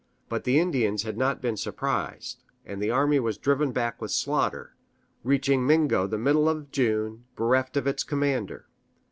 But the Indians had not been surprised, and the army was driven back with slaughter, reaching Mingo the middle of June, bereft of its commander.